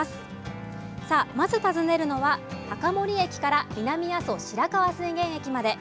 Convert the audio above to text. さあまず訪ねるのは高森駅から南阿蘇白川水源駅まで。